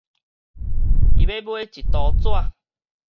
伊欲買一刀紙